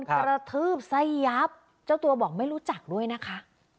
ครับครับทืบไซยับเจ้าตัวบอกไม่รู้จักด้วยนะคะ